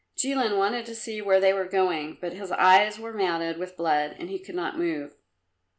Jilin wanted to see where they were going, but his eyes were matted with blood and he could not move.